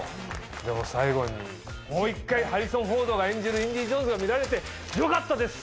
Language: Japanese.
でも最後にもう一回ハリソン・フォードが演じるインディ・ジョーンズが見られてよかったです！